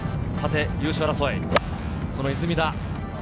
優勝争い、その出水田。